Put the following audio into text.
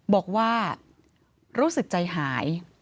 บอกว่ารู้สึกใจหาย